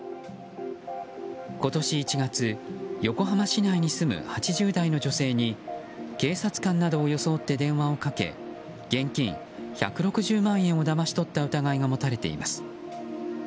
今年１月横浜市内に住む８０代の女性に警察官などを装って電話をかけ現金１６０万円をだまし取った疑いが持たれています。